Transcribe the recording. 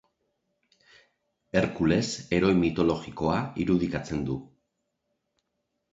Herkules heroi mitologikoa irudikatzen du.